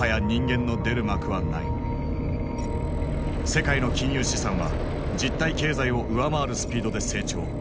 世界の金融資産は実体経済を上回るスピードで成長。